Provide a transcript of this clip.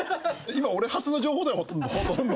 今俺発の情報だよほとんど。